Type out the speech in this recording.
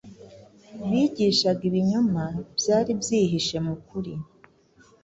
bigishaga ibinyoma byari byihishe mu kuri.